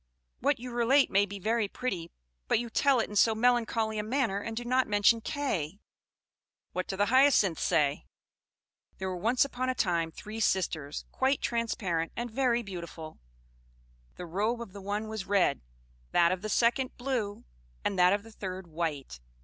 "What you relate may be very pretty, but you tell it in so melancholy a manner, and do not mention Kay." What do the Hyacinths say? "There were once upon a time three sisters, quite transparent, and very beautiful. The robe of the one was red, that of the second blue, and that of the third white.